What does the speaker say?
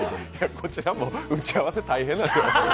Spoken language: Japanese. こちらも打ち合わせ大変になってます。